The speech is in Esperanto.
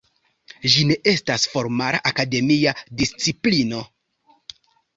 Ĝi ne estas formala akademia disciplino.